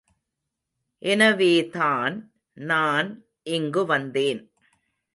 எனவேதான், நான் இங்கு வந்தேன்.